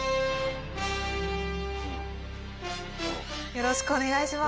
よろしくお願いします。